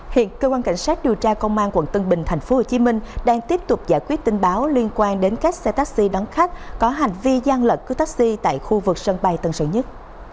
hiện cơ quan cảnh sát điều tra công an quận tân bình tp hcm đang tiếp tục giải quyết tin báo liên quan đến các xe taxi đón khách có hành vi gian lận cứ taxi tại khu vực sân bay tân sơn nhất